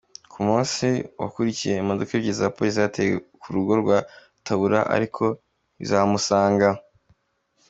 Ku munsi wakurikiye, imodoka ebyiri za polisi zateye ku rugo rwa Tabura ariko ntizahamusanga.